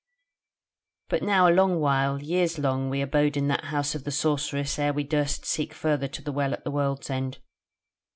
"But now a long while, years long, we abode in that House of the Sorceress ere we durst seek further to the Well at the World's End.